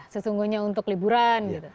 sesungguhnya untuk liburan gitu